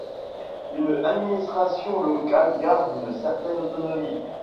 Une administration locale garde une certaine autonomie.